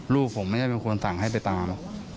ลูกผมไม่ได้เป็นคนสั่งให้ไปตาม